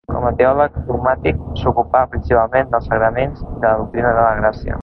Com a teòleg dogmàtic s'ocupà principalment dels sagraments i de la doctrina de la gràcia.